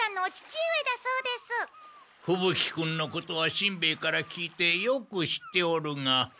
ふぶ鬼君のことはしんべヱから聞いてよく知っておるが。